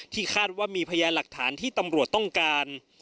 คาดว่ามีพยานหลักฐานที่ตำรวจต้องการ